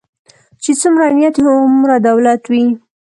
چی څومره نيت وي هغومره دولت وي .